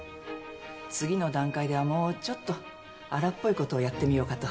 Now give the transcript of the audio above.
次の段階ではもうちょっと荒っぽいことをやってみようかと。